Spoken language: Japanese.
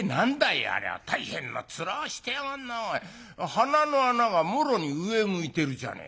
鼻の穴がもろに上向いてるじゃねえか。